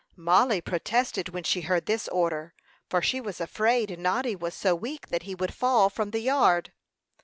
Mollie protested when she heard this order, for she was afraid Noddy was so weak that he would fall from the yard.